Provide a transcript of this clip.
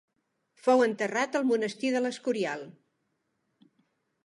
Fou enterrat al Monestir de l'Escorial.